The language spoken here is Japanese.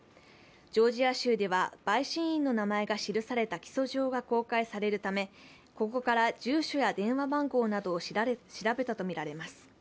ジョージア州では陪審員の名前が記された起訴状が公開されるためここから住所や電話番号などを調べたとみられます。